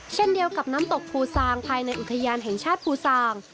เช่นเดียวกับน้ำตกภูซางภายในอุทยานแห่งชาติภูซาง